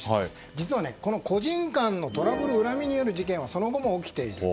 実は個人間のトラブル恨みによる事件はその後も起きている。